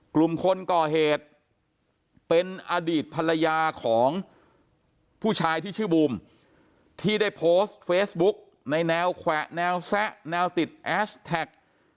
กลุ่มคนก่อเหตุเป็นอดีตภรรยาของผู้ชายที่ชื่อบูมที่ได้โพสต์เฟซบุ๊กในแนวแขวะแนวแซะแนวติดแอสแท็ก